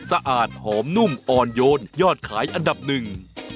สะอาดหอมนุ่มอ่อนโยนยอดขายอันดับหนึ่ง